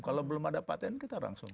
kalau belum ada patent kita langsung